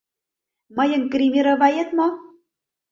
— Мыйым гримировает мо?